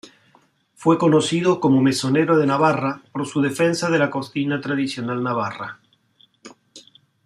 Fue conocido como "mesonero de Navarra" por su defensa de la cocina tradicional navarra.